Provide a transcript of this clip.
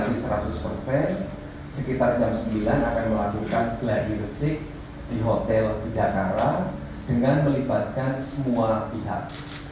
kita insya allah besok pagi untuk membenar seratus persiapan sekitar jam sembilan akan melakukan geladi bersih di hotel bidekara dengan melibatkan semua pihak